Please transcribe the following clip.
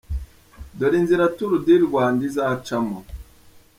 Dore inzira Tour Du Rwanda izacamo:.